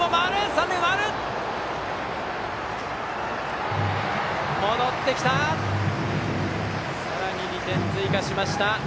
さらに２点追加しました。